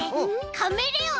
カメレオン！